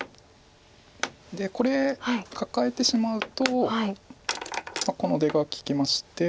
でこれカカえてしまうとこの出が利きまして。